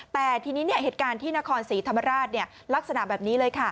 แต่ทีนี้เหตุการณ์ที่นครศรีธรรมราชลักษณะแบบนี้เลยค่ะ